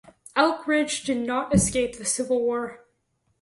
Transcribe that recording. Elkridge did not escape the Civil War.